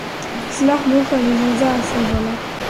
د اصلاح موخه يې د سزا اصل باله.